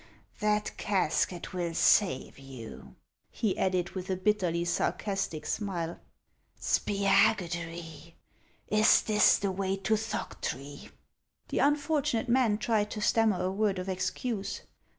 " That casket will save you," he added with a bit terly sarcastic smile. " Spiagudry, is this the way to Thoctree ?" The unfortunate man tried to stammer a word of excuse.